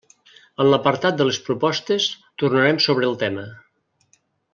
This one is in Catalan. En l'apartat de les propostes tornarem sobre el tema.